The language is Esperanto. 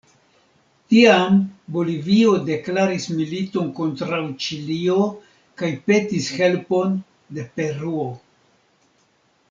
Tiam Bolivio deklaris militon kontraŭ Ĉilio kaj petis helpon de Peruo.